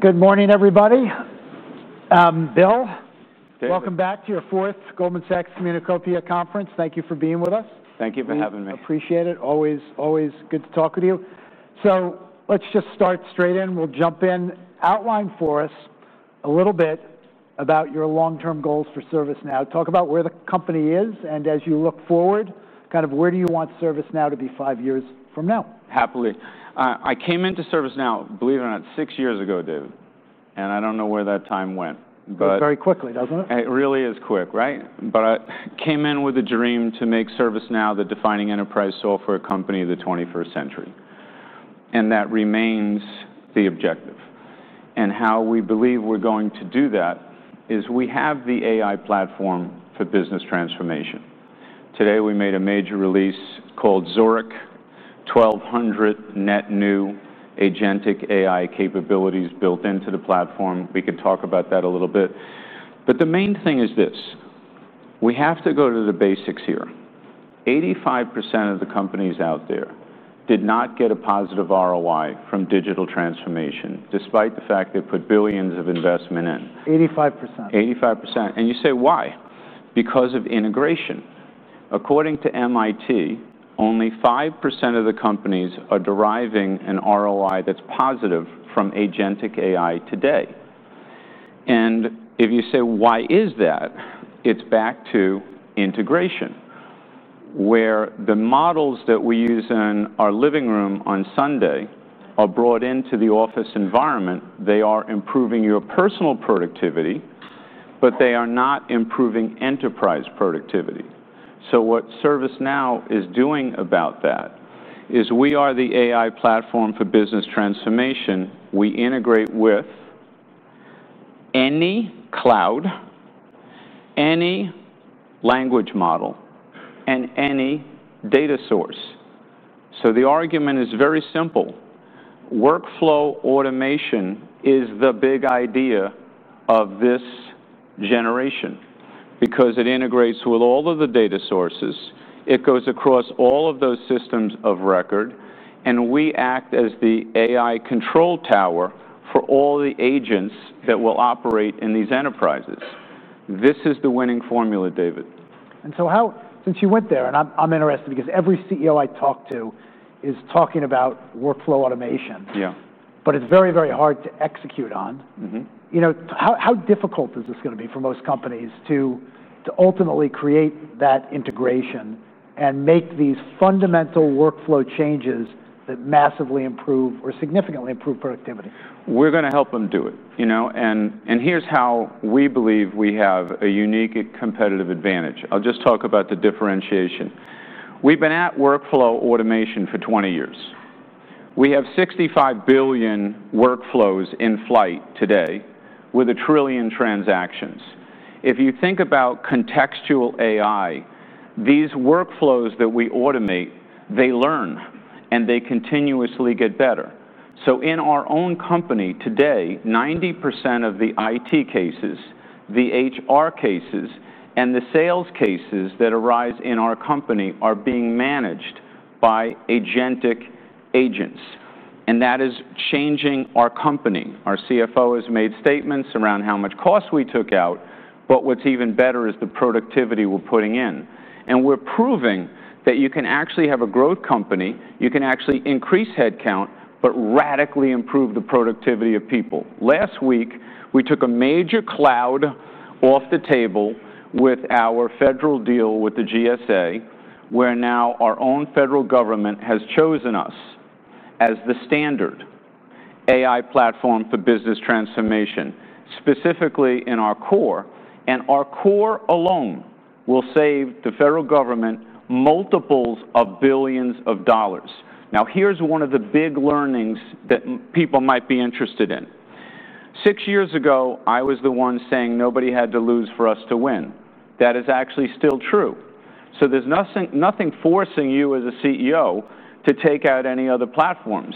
Good morning, everybody. I'm Bill McDermott. Welcome back to your fourth Goldman Sachs MENA Copia conference. Thank you for being with us. Thank you for having me. Appreciate it. Always, always good to talk with you. Let's just start straight in. We'll jump in. Outline for us a little bit about your long-term goals for ServiceNow. Talk about where the company is, and as you look forward, kind of where do you want ServiceNow to be five years from now? Happily. I came into ServiceNow, believe it or not, six years ago, David. I don't know where that time went. Goes very quickly, doesn't it? It really is quick, right? I came in with a dream to make ServiceNow the defining enterprise software company of the 21st century. That remains the objective. How we believe we're going to do that is we have the AI platform for business transformation. Today, we made a major release called Zurich. 1,200 net new agentic AI capabilities built into the platform. We can talk about that a little bit. The main thing is this: we have to go to the basics here. 85% of the companies out there did not get a positive ROI from digital transformation, despite the fact they put billions of investment in. 85%. 85%. You say, why? Because of integration. According to MIT, only 5% of the companies are deriving an ROI that's positive from agentic AI today. You say, why is that? It's back to integration. Where the models that we use in our living room on Sunday are brought into the office environment, they are improving your personal productivity, but they are not improving enterprise productivity. What ServiceNow is doing about that is we are the AI platform for business transformation. We integrate with any cloud, any language model, and any data source. The argument is very simple. Workflow automation is the big idea of this generation because it integrates with all of the data sources. It goes across all of those systems of record. We act as the AI Control Tower for all the agents that will operate in these enterprises. This is the winning formula, David. Since you went there, I'm interested because every CEO I talk to is talking about workflow automation. Yeah. It's very, very hard to execute on. You know, how difficult is this going to be for most companies to ultimately create that integration and make these fundamental workflow changes that massively improve or significantly improve productivity? We're going to help them do it. Here's how we believe we have a unique competitive advantage. I'll just talk about the differentiation. We've been at workflow automation for 20 years. We have 65 billion workflows in flight today, with a trillion transactions. If you think about contextual AI, these workflows that we automate, they learn and they continuously get better. In our own company today, 90% of the IT cases, the HR cases, and the sales cases that arise in our company are being managed by agentic agents. That is changing our company. Our CFO has made statements around how much cost we took out. What's even better is the productivity we're putting in. We're proving that you can actually have a growth company, you can actually increase headcount, but radically improve the productivity of people. Last week, we took a major cloud off the table with our federal deal with the U.S. General Services Administration, where now our own federal government has chosen us as the standard AI platform for business transformation, specifically in our core. Our core alone will save the federal government multiples of billions of dollars. Here's one of the big learnings that people might be interested in. Six years ago, I was the one saying nobody had to lose for us to win. That is actually still true. There's nothing forcing you as a CEO to take out any other platforms.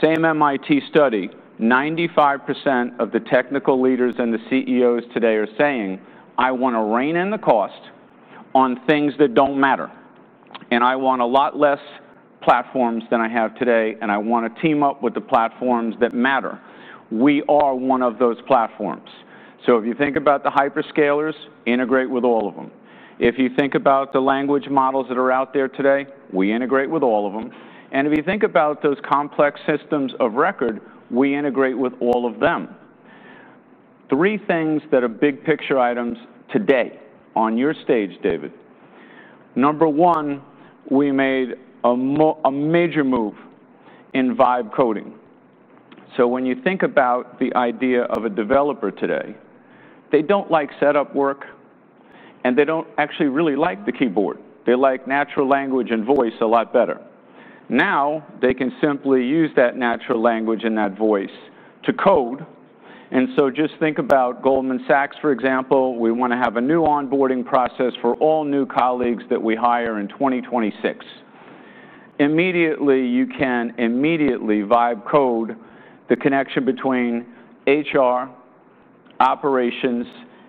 Same MIT study, 95% of the technical leaders and the CEOs today are saying, I want to rein in the cost on things that don't matter. I want a lot less platforms than I have today. I want to team up with the platforms that matter. We are one of those platforms. If you think about the hyperscalers, integrate with all of them. If you think about the language models that are out there today, we integrate with all of them. If you think about those complex systems of record, we integrate with all of them. Three things that are big picture items today on your stage, David. Number one, we made a major move in vibe coding. When you think about the idea of a developer today, they don't like setup work. They don't actually really like the keyboard. They like natural language and voice a lot better. Now, they can simply use that natural language and that voice to code. Just think about Goldman Sachs, for example. We want to have a new onboarding process for all new colleagues that we hire in 2026. Immediately, you can immediately vibe code the connection between HR, operations,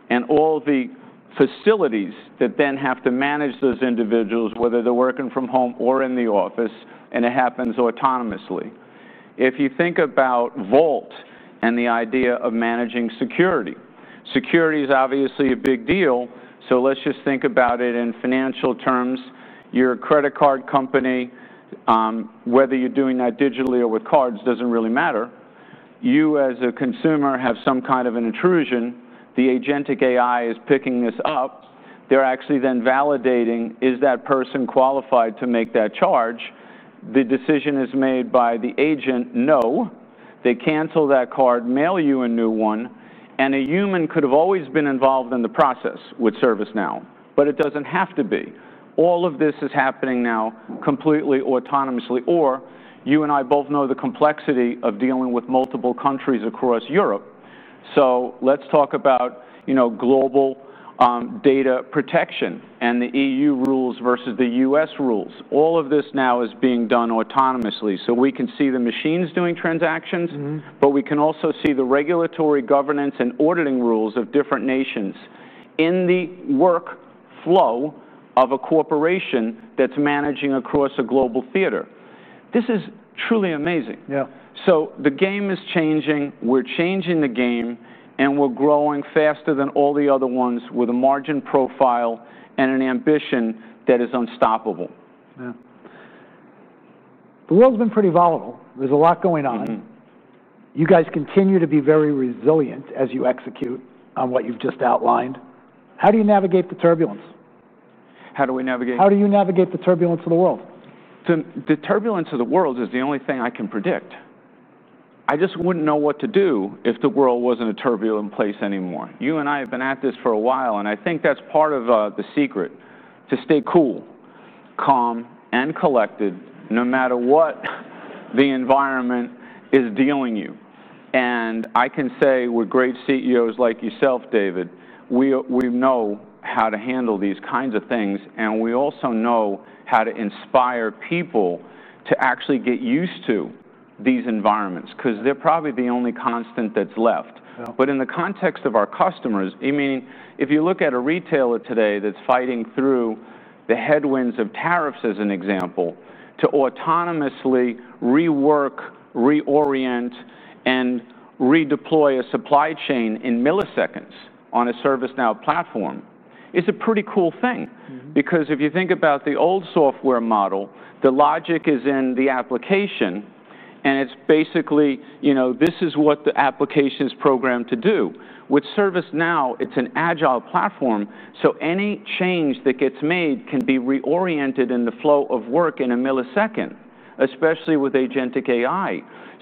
and all the facilities that then have to manage those individuals, whether they're working from home or in the office. It happens autonomously. If you think about Vault and the idea of managing security, security is obviously a big deal. Let's just think about it in financial terms. Your credit card company, whether you're doing that digitally or with cards, doesn't really matter. You, as a consumer, have some kind of an intrusion. The agentic AI is picking this up. They're actually then validating, is that person qualified to make that charge? The decision is made by the agent, no. They cancel that card, mail you a new one. A human could have always been involved in the process with ServiceNow. It doesn't have to be. All of this is happening now completely autonomously. You and I both know the complexity of dealing with multiple countries across Europe. Let's talk about global data protection and the EU rules versus the U.S. rules. All of this now is being done autonomously. We can see the machines doing transactions. We can also see the regulatory governance and auditing rules of different nations in the workflow of a corporation that's managing across a global theater. This is truly amazing. Yeah. The game is changing. We're changing the game, and we're growing faster than all the other ones with a margin profile and an ambition that is unstoppable. Yeah. The world's been pretty volatile. There's a lot going on. You guys continue to be very resilient as you execute on what you've just outlined. How do you navigate the turbulence? How do we navigate? How do you navigate the turbulence of the world? The turbulence of the world is the only thing I can predict. I just wouldn't know what to do if the world wasn't a turbulent place anymore. You and I have been at this for a while. I think that's part of the secret, to stay cool, calm, and collected, no matter what the environment is dealing with. I can say, with great CEOs like yourself, David, we know how to handle these kinds of things. We also know how to inspire people to actually get used to these environments because they're probably the only constant that's left. In the context of our customers, if you look at a retailer today that's fighting through the headwinds of tariffs, as an example, to autonomously rework, reorient, and redeploy a supply chain in milliseconds on a ServiceNow platform, it's a pretty cool thing. If you think about the old software model, the logic is in the application. It's basically, you know, this is what the application is programmed to do. With ServiceNow, it's an agile platform, so any change that gets made can be reoriented in the flow of work in a millisecond, especially with agentic AI.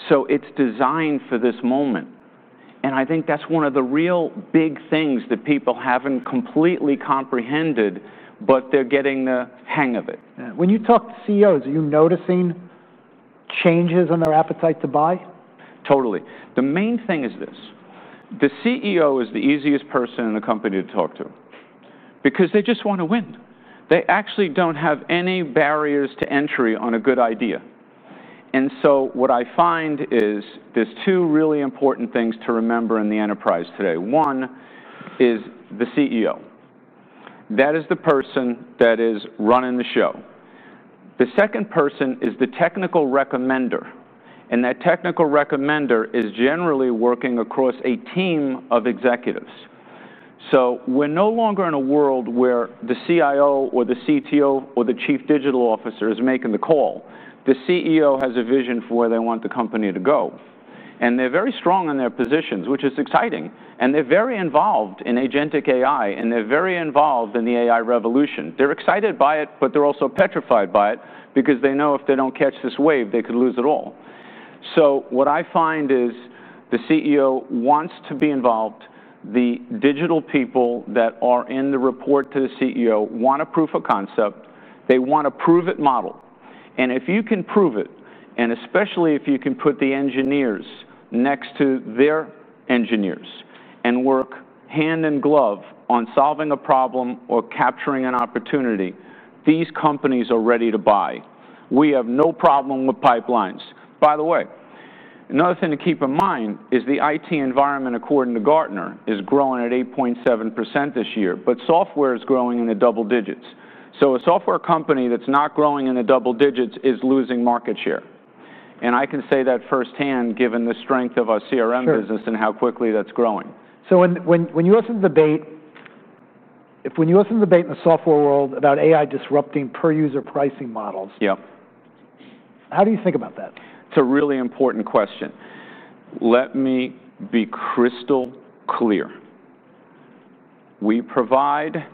It's designed for this moment. I think that's one of the real big things that people haven't completely comprehended, but they're getting the hang of it. When you talk to CEOs, are you noticing changes in their appetite to buy? Totally. The main thing is this: the CEO is the easiest person in the company to talk to because they just want to win. They actually don't have any barriers to entry on a good idea. What I find is there's two really important things to remember in the enterprise today. One is the CEO. That is the person that is running the show. The second person is the technical recommender. That technical recommender is generally working across a team of executives. We're no longer in a world where the CIO or the CTO or the Chief Digital Officer is making the call. The CEO has a vision for where they want the company to go. They're very strong in their positions, which is exciting. They're very involved in agentic AI. They're very involved in the AI revolution. They're excited by it. They're also petrified by it because they know if they don't catch this wave, they could lose it all. What I find is the CEO wants to be involved. The digital people that are in the report to the CEO want a proof of concept. They want a proven model. If you can prove it, and especially if you can put the engineers next to their engineers and work hand in glove on solving a problem or capturing an opportunity, these companies are ready to buy. We have no problem with pipelines. By the way, another thing to keep in mind is the IT environment, according to Gartner, is growing at 8.7% this year. Software is growing in the double digits. A software company that's not growing in the double digits is losing market share. I can say that firsthand, given the strength of our CRM business and how quickly that's growing. When you listen to the debate in the software world about AI disrupting per-user pricing models. Yeah. How do you think about that? It's a really important question. Let me be crystal clear. We provide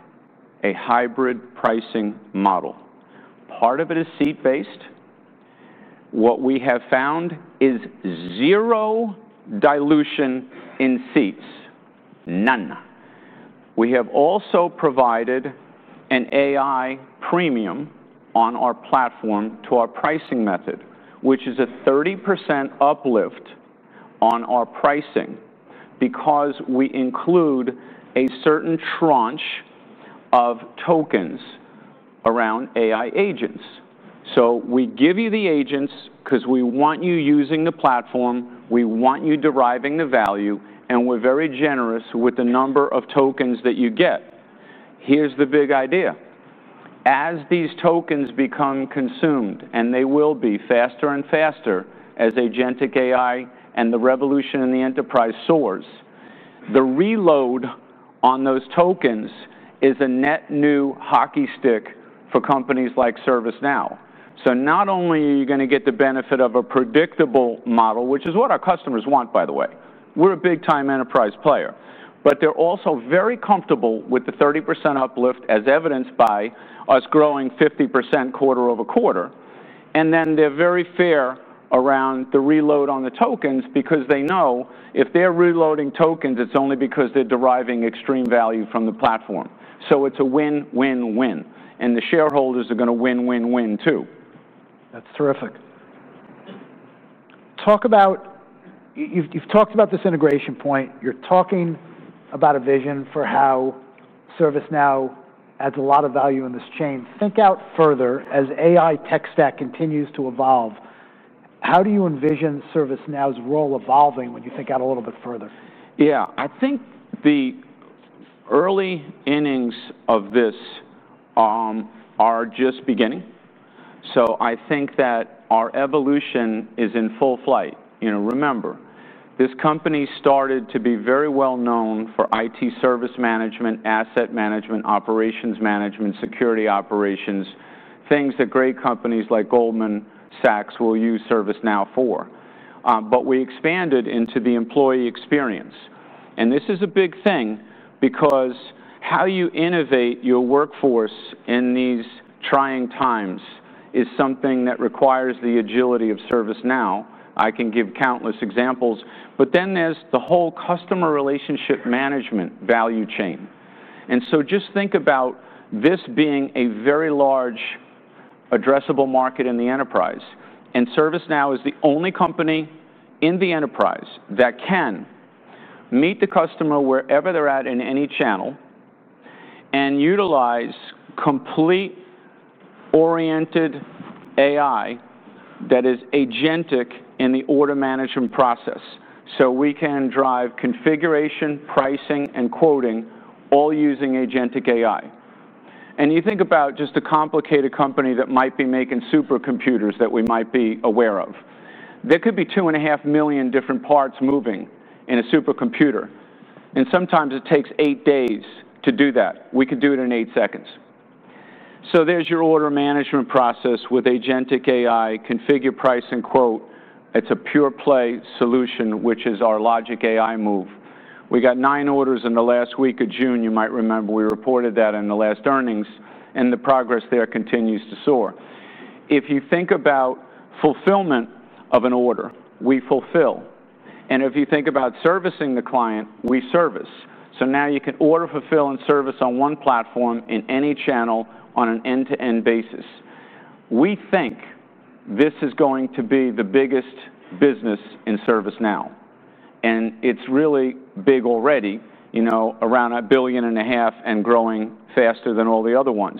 a hybrid pricing model. Part of it is seat-based. What we have found is zero dilution in seats. None. We have also provided an AI premium on our platform to our pricing method, which is a 30% uplift on our pricing because we include a certain tranche of tokens around AI agents. We give you the agents because we want you using the platform. We want you deriving the value. We're very generous with the number of tokens that you get. Here's the big idea. As these tokens become consumed, and they will be faster and faster as agentic AI and the revolution in the enterprise soars, the reload on those tokens is a net new hockey stick for companies like ServiceNow. Not only are you going to get the benefit of a predictable model, which is what our customers want, by the way, we're a big-time enterprise player. They're also very comfortable with the 30% uplift, as evidenced by us growing 50% quarter over quarter. They're very fair around the reload on the tokens because they know if they're reloading tokens, it's only because they're deriving extreme value from the platform. It's a win, win, win. The shareholders are going to win, win, win, too. That's terrific. You've talked about this integration point. You're talking about a vision for how ServiceNow adds a lot of value in this chain. Think out further, as AI tech stack continues to evolve. How do you envision ServiceNow's role evolving when you think out a little bit further? Yeah, I think the early innings of this are just beginning. I think that our evolution is in full flight. You know, remember, this company started to be very well known for IT Service Management, asset management, operations management, security operations, things that great companies like Goldman Sachs will use ServiceNow for. We expanded into the employee experience. This is a big thing because how you innovate your workforce in these trying times is something that requires the agility of ServiceNow. I can give countless examples. There is the whole Customer Relationship Management value chain. Just think about this being a very large addressable market in the enterprise. ServiceNow is the only company in the enterprise that can meet the customer wherever they're at in any channel and utilize complete-oriented AI that is agentic in the order management process. We can drive configuration, pricing, and quoting, all using agentic AI. You think about just a complicated company that might be making supercomputers that we might be aware of. There could be 2.5 million different parts moving in a supercomputer. Sometimes it takes eight days to do that. We could do it in eight seconds. There is your order management process with agentic AI, configure, price, and quote. It's a pure play solution, which is our logic AI move. We got nine orders in the last week of June, you might remember. We reported that in the last earnings. The progress there continues to soar. If you think about fulfillment of an order, we fulfill. If you think about servicing the client, we service. Now you can order, fulfill, and service on one platform in any channel on an end-to-end basis. We think this is going to be the biggest business in ServiceNow. It's really big already, you know, around $1.5 billion and growing faster than all the other ones.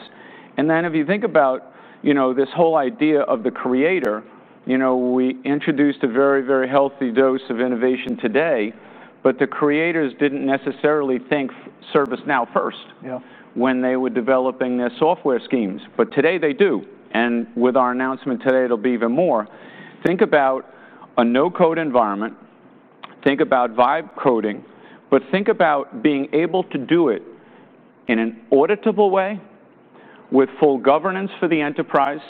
If you think about this whole idea of the creator, you know, we introduced a very, very healthy dose of innovation today. The creators didn't necessarily think ServiceNow first. Yeah. When they were developing their software schemes, today they do. With our announcement today, it'll be even more. Think about a no-code environment. Think about vibe coding. Think about being able to do it in an auditable way with full governance for the enterprise,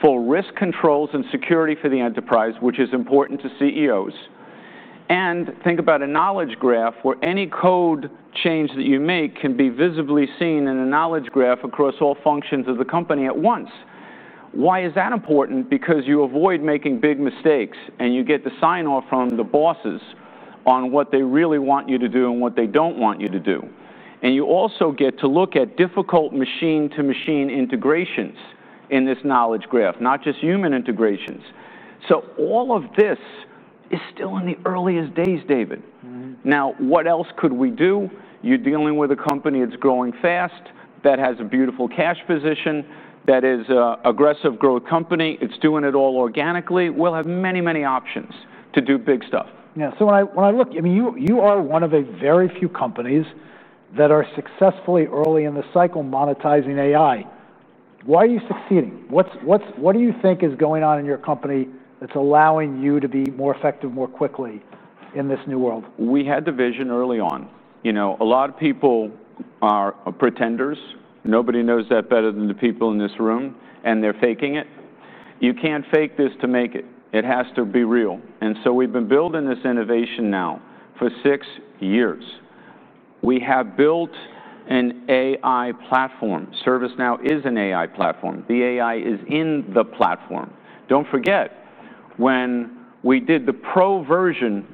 full risk controls and security for the enterprise, which is important to CEOs. Think about a knowledge graph where any code change that you make can be visibly seen in a knowledge graph across all functions of the company at once. Why is that important? You avoid making big mistakes. You get the sign-off from the bosses on what they really want you to do and what they don't want you to do. You also get to look at difficult machine-to-machine integrations in this knowledge graph, not just human integrations. All of this is still in the earliest days, David. What else could we do? You're dealing with a company that's growing fast, that has a beautiful cash position, that is an aggressive growth company, it's doing it all organically. We'll have many, many options to do big stuff. When I look, I mean, you are one of the very few companies that are successfully early in the cycle monetizing AI. Why are you succeeding? What do you think is going on in your company that's allowing you to be more effective more quickly in this new world? We had the vision early on. A lot of people are pretenders. Nobody knows that better than the people in this room. They're faking it. You can't fake this to make it. It has to be real. We've been building this innovation now for six years. We have built an AI platform. ServiceNow is an AI platform. The AI is in the platform. Don't forget, when we did the pro version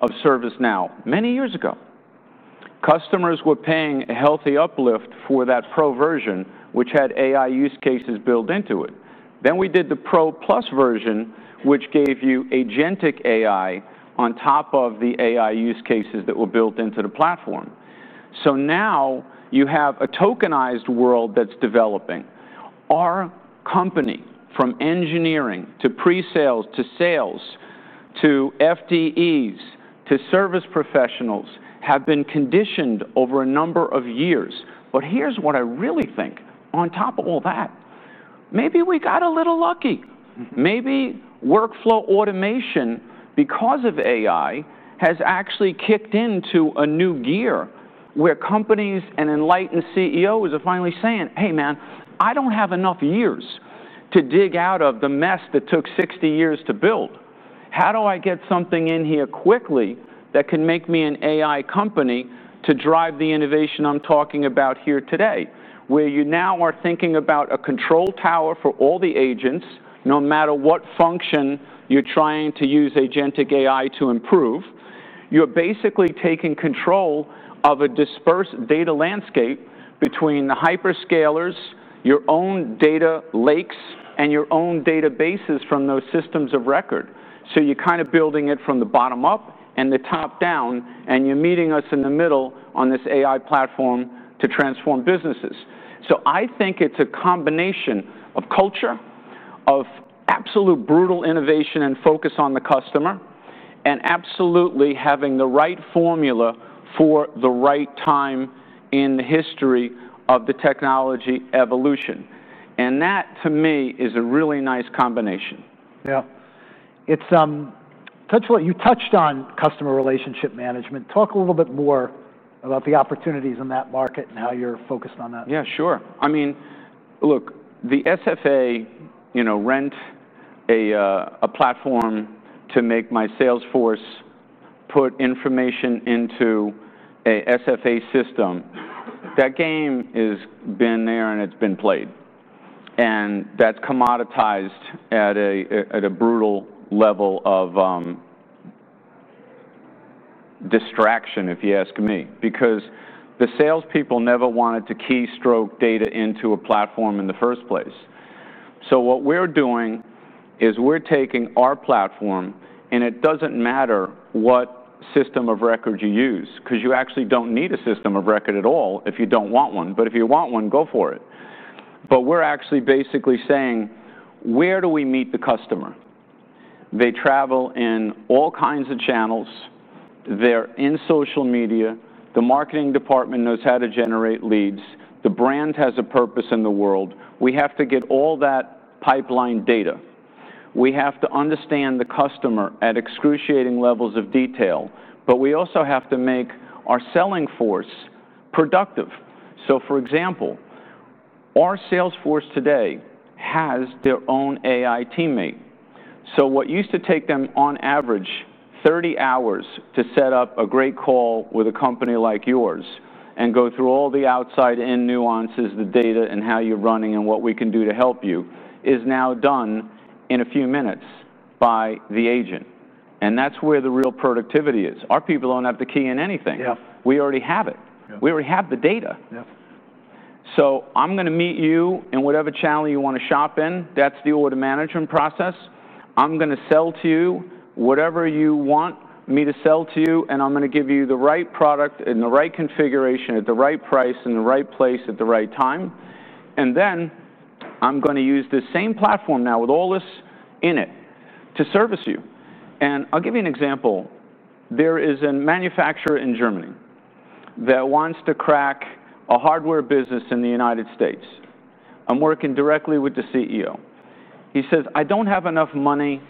of ServiceNow many years ago, customers were paying a healthy uplift for that pro version, which had AI use cases built into it. We did the pro plus version, which gave you agentic AI on top of the AI use cases that were built into the platform. Now you have a tokenized world that's developing. Our company, from engineering to pre-sales to sales to FDEs to service professionals, have been conditioned over a number of years. Here's what I really think, on top of all that, maybe we got a little lucky. Maybe workflow automation, because of AI, has actually kicked into a new gear where companies and enlightened CEOs are finally saying, hey, man, I don't have enough years to dig out of the mess that took 60 years to build. How do I get something in here quickly that can make me an AI company to drive the innovation I'm talking about here today? Where you now are thinking about a control tower for all the agents, no matter what function you're trying to use agentic AI to improve, you're basically taking control of a dispersed data landscape between the hyperscalers, your own data lakes, and your own databases from those systems of record. You're kind of building it from the bottom up and the top down. You're meeting us in the middle on this AI platform to transform businesses. I think it's a combination of culture, of absolute brutal innovation and focus on the customer, and absolutely having the right formula for the right time in the history of the technology evolution. That, to me, is a really nice combination. Yeah. It's touchable. You touched on customer relationship management. Talk a little bit more about the opportunities in that market and how you're focused on that. Yeah, sure. I mean, look, the SFA, you know, rent a platform to make my sales force put information into an SFA system. That game has been there, and it's been played. That's commoditized at a brutal level of distraction, if you ask me. The salespeople never wanted to keystroke data into a platform in the first place. What we're doing is we're taking our platform, and it doesn't matter what system of record you use, because you actually don't need a system of record at all if you don't want one. If you want one, go for it. We're actually basically saying, where do we meet the customer? They travel in all kinds of channels. They're in social media. The marketing department knows how to generate leads. The brand has a purpose in the world. We have to get all that pipeline data. We have to understand the customer at excruciating levels of detail. We also have to make our selling force productive. For example, our sales force today has their own AI teammate. What used to take them, on average, 30 hours to set up a great call with a company like yours and go through all the outside and nuances, the data and how you're running and what we can do to help you is now done in a few minutes by the agent. That's where the real productivity is. Our people don't have to key in anything. Yeah. We already have it. Yeah. We already have the data. Yeah. I'm going to meet you in whatever channel you want to shop in. That's the order management process. I'm going to sell to you whatever you want me to sell to you. I'm going to give you the right product in the right configuration at the right price in the right place at the right time. I'm going to use the same platform now with all this in it to service you. I'll give you an example. There is a manufacturer in Germany that wants to crack a hardware business in the United States. I'm working directly with the CEO. He says, I don't have enough money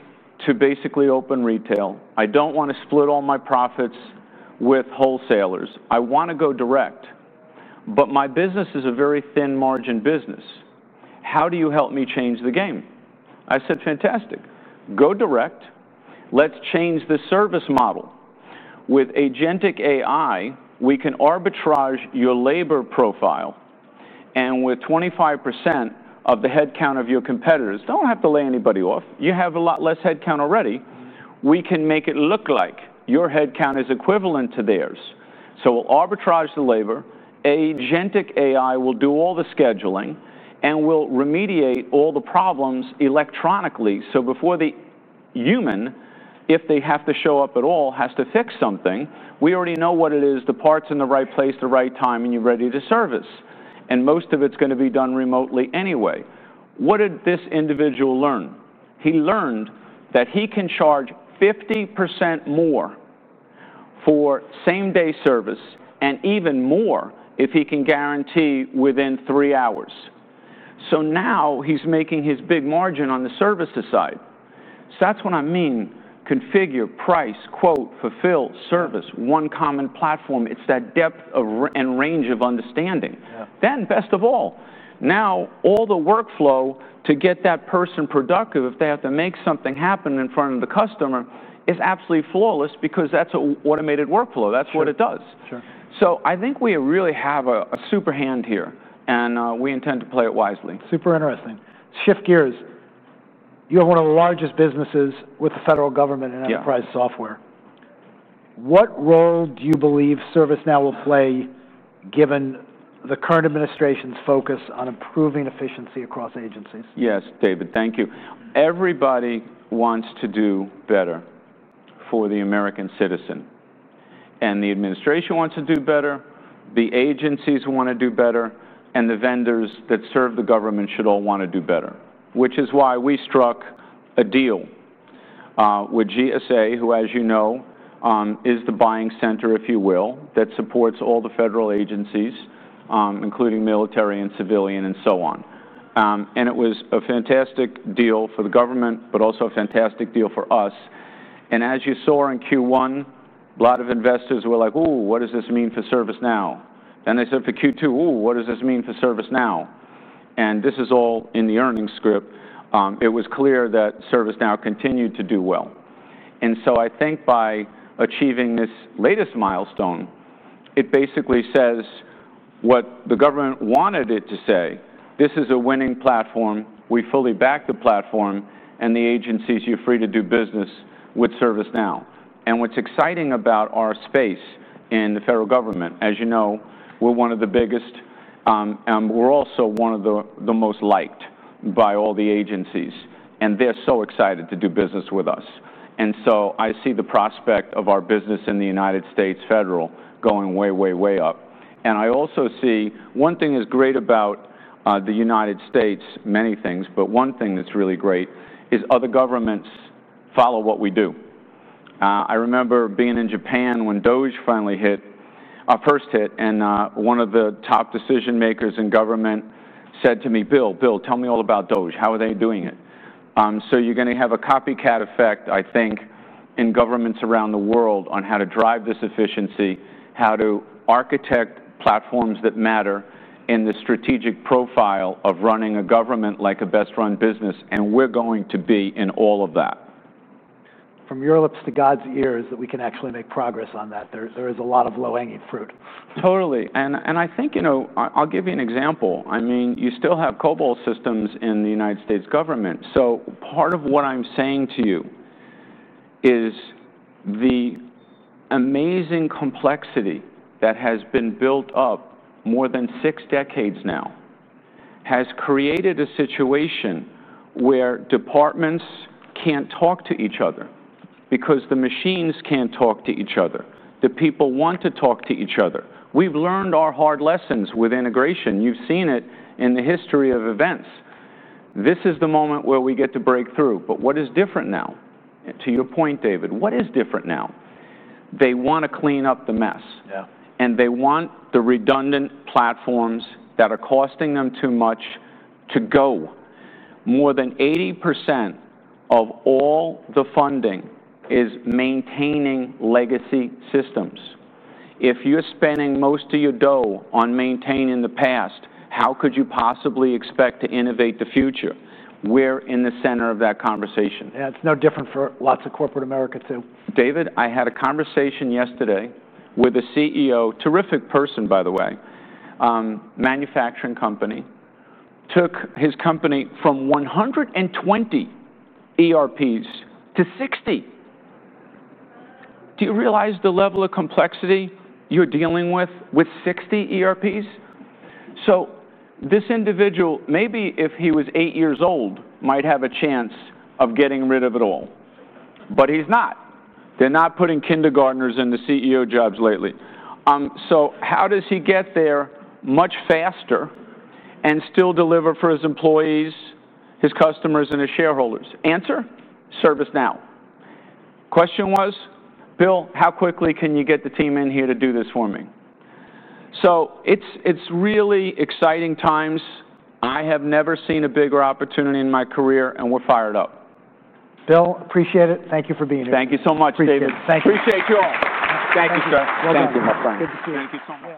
to basically open retail. I don't want to split all my profits with wholesalers. I want to go direct. My business is a very thin margin business. How do you help me change the game? I said, fantastic. Go direct. Let's change the service model. With agentic AI, we can arbitrage your labor profile. With 25% of the headcount of your competitors, you don't have to lay anybody off. You have a lot less headcount already. We can make it look like your headcount is equivalent to theirs. We'll arbitrage the labor. Agentic AI will do all the scheduling. We'll remediate all the problems electronically. Before the human, if they have to show up at all, has to fix something, we already know what it is, the part's in the right place, the right time, and you're ready to service. Most of it's going to be done remotely anyway. What did this individual learn? He learned that he can charge 50% more for same-day service and even more if he can guarantee within three hours. Now he's making his big margin on the services side. That's what I mean, configure, price, quote, fulfill, service, one common platform. It's that depth and range of understanding. Yeah. Now all the workflow to get that person productive, if they have to make something happen in front of the customer, is absolutely flawless because that's an automated workflow. That's what it does. Sure. I think we really have a super hand here, and we intend to play it wisely. Super interesting. Shift gears. You're one of the largest businesses with the federal government and enterprise software. Yeah. What role do you believe ServiceNow will play, given the current administration's focus on improving efficiency across agencies? Yes, David, thank you. Everybody wants to do better for the American citizen. The administration wants to do better. The agencies want to do better. The vendors that serve the government should all want to do better, which is why we struck a deal with the U.S. General Services Administration, who, as you know, is the buying center, if you will, that supports all the federal agencies, including military and civilian and so on. It was a fantastic deal for the government, but also a fantastic deal for us. As you saw in Q1, a lot of investors were like, ooh, what does this mean for ServiceNow? They said for Q2, ooh, what does this mean for ServiceNow? This is all in the earnings script. It was clear that ServiceNow continued to do well. I think by achieving this latest milestone, it basically says what the government wanted it to say. This is a winning platform. We fully back the platform. The agencies, you're free to do business with ServiceNow. What's exciting about our space in the federal government, as you know, we're one of the biggest. We're also one of the most liked by all the agencies. They're so excited to do business with us. I see the prospect of our business in the United States federal going way, way, way up. I also see one thing is great about the United States, many things, but one thing that's really great is other governments follow what we do. I remember being in Japan when Zurich finally hit, our first hit. One of the top decision makers in government said to me, Bill, Bill, tell me all about Zurich. How are they doing it? You're going to have a copycat effect, I think, in governments around the world on how to drive this efficiency, how to architect platforms that matter in the strategic profile of running a government like a best-run business. We're going to be in all of that. From your lips to God's ears that we can actually make progress on that. There is a lot of low-hanging fruit. Totally. I think, you know, I'll give you an example. You still have COBOL systems in the U.S. government. Part of what I'm saying to you is the amazing complexity that has been built up more than six decades now has created a situation where departments can't talk to each other because the machines can't talk to each other. The people want to talk to each other. We've learned our hard lessons with integration. You've seen it in the history of events. This is the moment where we get to break through. What is different now? To your point, David, what is different now? They want to clean up the mess. Yeah. They want the redundant platforms that are costing them too much to go. More than 80% of all the funding is maintaining legacy systems. If you're spending most of your dough on maintaining the past, how could you possibly expect to innovate the future? We're in the center of that conversation. Yeah, it's no different for lots of corporate America, too. David, I had a conversation yesterday with a CEO, terrific person, by the way, manufacturing company, took his company from 120 ERPs to 60. Do you realize the level of complexity you're dealing with with 60 ERPs? This individual, maybe if he was eight years old, might have a chance of getting rid of it all. He's not. They're not putting kindergartners in the CEO jobs lately. How does he get there much faster and still deliver for his employees, his customers, and his shareholders? Answer? ServiceNow. Question was, Bill, how quickly can you get the team in here to do this for me? It's really exciting times. I have never seen a bigger opportunity in my career. We're fired up. Bill, appreciate it. Thank you for being here. Thank you so much, David. Appreciate you all. Thank you, sir. Thank you, my friend. Thank you.